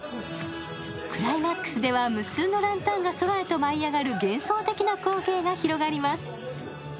クライマックスでは無数のランタンが空へと舞い上がる幻想的な光景が広がります。